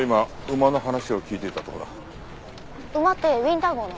馬ってウィンター号の？